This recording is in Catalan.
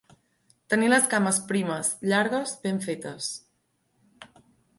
Tenir les cames primes, llargues, ben fetes.